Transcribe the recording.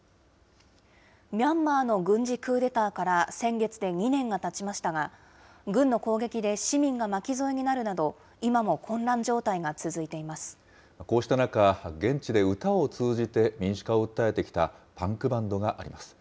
ミャンマーの軍事クーデターから先月で２年がたちましたが、軍の攻撃で市民が巻き添えになるなど、今も混乱状態が続いていまこうした中、現地で歌を通じて民主化を訴えてきたパンクバンドがあります。